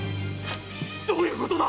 〔どういうことだ